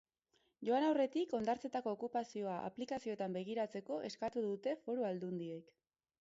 Joan aurretik hondartzetako okupazioa aplikazioetan begiratzeko eskatu dute foru aldundiek.